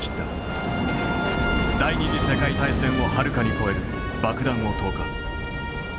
第２次世界大戦をはるかに超える爆弾を投下。